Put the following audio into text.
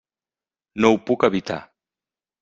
No ho puc evitar.